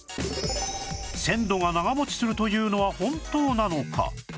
鮮度が長持ちするというのは本当なのか？